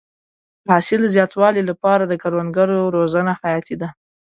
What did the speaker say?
د حاصل د زیاتوالي لپاره د کروندګرو روزنه حیاتي ده.